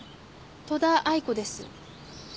戸田藍子です。